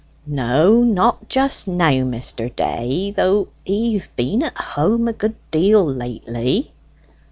"No, not just now, Mr. Day. Though he've been at home a good deal lately."